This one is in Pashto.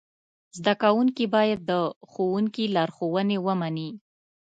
زده کوونکي باید د ښوونکي لارښوونې ومني.